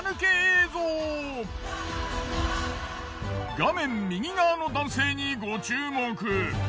画面右側の男性にご注目。